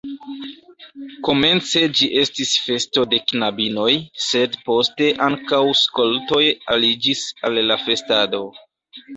Komence ĝi estis festo de knabinoj, sed poste ankaŭ skoltoj aliĝis al la festado.